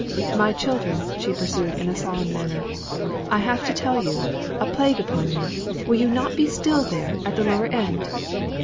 "My children," she pursued in a solemn manner, "I have to tell you a plague upon you! will you not be still there, at the lower end?